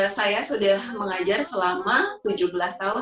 saya sudah mengajar selama tujuh belas tahun